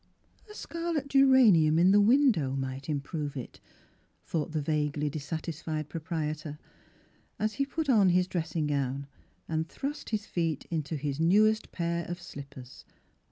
"A scar let geranium in the window might improve it," thought the vaguely dissatisfied proprie tor, as he put on his dressing gown and thrust his feet into his newest pair of slippers.